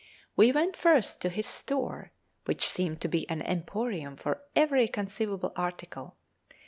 We went first to his store, which seemed to be an emporium for every conceivable article.